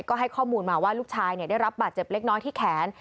ก็ให้ข้อมูลมาว่าลูกชายได้รับบาดเจ็บเล็กน้อยที่แขน